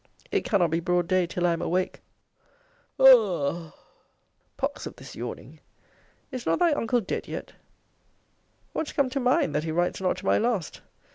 It cannot be broad day till I am awake. Aw w w whaugh pox of this yawning! Is not thy uncle dead yet? What's come to mine, that he writes not to my last?